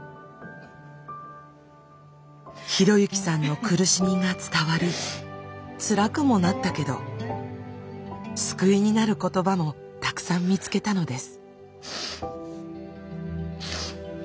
啓之さんの苦しみが伝わりつらくもなったけど救いになる言葉もたくさん見つけたのです。